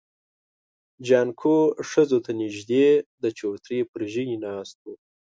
جانکو ښځو ته نږدې د چوترې پر ژی ناست و.